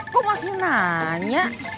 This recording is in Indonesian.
kok masih nanya